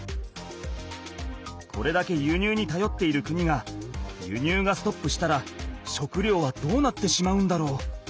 これだけ輸入にたよっている国が輸入がストップしたら食料はどうなってしまうんだろう？